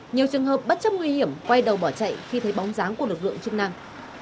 nhiều trường hợp bất chấp nguy hiểm quay đầu bỏ chạy khi thấy bóng dáng của lực lượng chức năng